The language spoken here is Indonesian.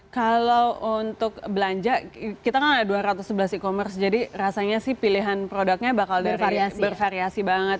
kalau untuk belanja kita kan ada dua ratus sebelas e commerce jadi rasanya sih pilihan produknya bakal bervariasi banget